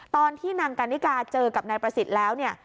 ตอนที่นางกันนิกาเจอกับนายประสิทธิ์แล้วเนี่ย